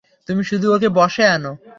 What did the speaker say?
তুমি শুধু ওকে বশে আনো।